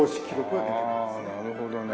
ああなるほどね。